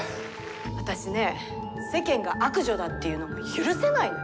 私ね世間が悪女だって言うの許せないのよ。